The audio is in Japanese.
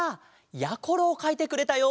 やころをかいてくれたよ。